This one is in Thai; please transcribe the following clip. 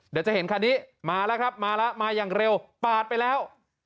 เดี๋ยวจะเห็นคันนี้มาแล้วครับมาแล้วมาอย่างเร็วปาดไปแล้ว